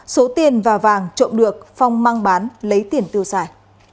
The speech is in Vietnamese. số tiền và vàng trộm được phong mang bán lấy tiền tiêu xài